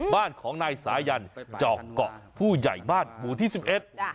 บ้านของนายสายันเจาะเกาะผู้ใหญ่บ้านหมูเที่ยว๑๑